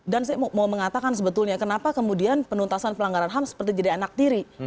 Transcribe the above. dan saya mau mengatakan sebetulnya kenapa kemudian penuntasan pelanggaran ham seperti jadi anak tiri